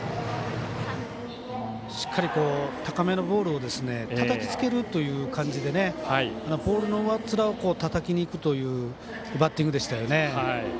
しっかり高めのボールをたたきつけるという感じでボールの上っ面をたたきにいくというバッティングでしたよね。